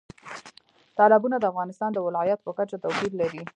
تالابونه د افغانستان د ولایاتو په کچه توپیر لري.